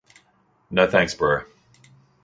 No thanks bro.